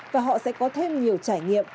và họ sẽ có thêm nhiều trải nghiệm